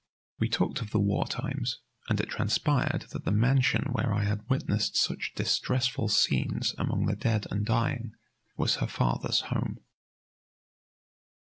We talked of the war times, and it transpired that the mansion where I had witnessed such distressful scenes among the dead and dying was her father's home.